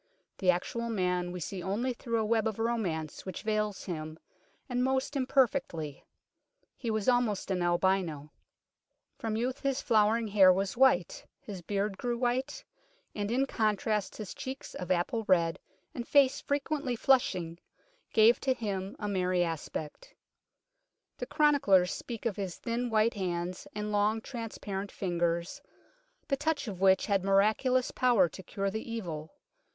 The actual man we see only through a web of romance which veils him, and most imperfectly. He was almost an albino. From youth his flowing hair was white ; his beard grew white ; and in contrast his cheeks of apple red and face frequently flushing gave to him a merry aspect. The chroniclers speak of his thin white hands and long transparent ringers, the touch of which had miraculous power to cure the Evil.